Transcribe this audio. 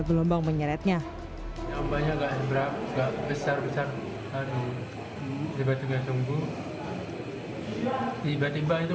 gelombang menyeretnya banyak enggak enggak besar besar aduh tiba tiba sungguh tiba tiba itu